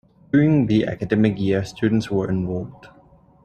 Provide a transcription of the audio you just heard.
During the academic year, students were enrolled.